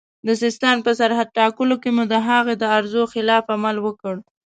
د سیستان په سرحد ټاکلو کې مو د هغه د ارزو خلاف عمل وکړ.